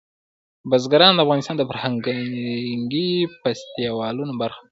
بزګان د افغانستان د فرهنګي فستیوالونو برخه ده.